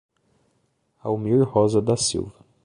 Almir Rosa da Silva